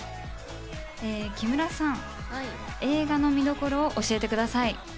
木村さん、映画の見どころを教えてください。